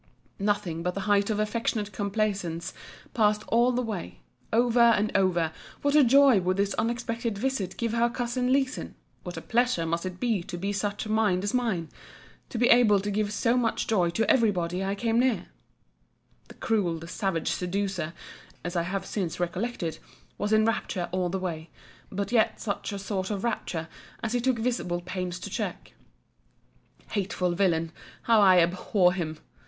Nothing but the height of affectionate complaisance passed all the way: over and over, what a joy would this unexpected visit give her cousin Leeson! What a pleasure must it be to such a mind as mine, to be able to give so much joy to every body I came near! The cruel, the savage seducer (as I have since recollected) was in a rapture all the way; but yet such a sort of rapture, as he took visible pains to check. Hateful villain! how I abhor him!